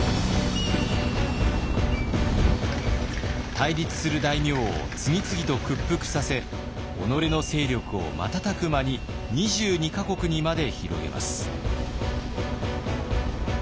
対立する大名を次々と屈服させ己の勢力を瞬く間に２２か国にまで広げます。